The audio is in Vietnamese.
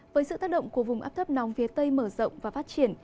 với sự tác động của vùng áp thấp nóng phía tây mở rộng và phát triển